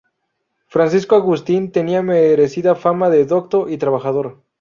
Francisco Agustín tenía merecida fama de docto y trabajador.